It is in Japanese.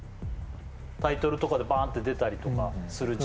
タイトルとかでバーンって出たりとかする字